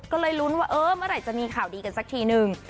ก็เลยลุ้นว่าเออเมื่อไหร่จะมีข่าวดีกันสักทีนึง